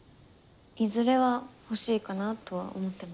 いずれは欲しいかなとは思ってます。